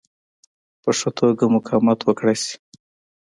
په ښه توګه مقاومت وکړای شي.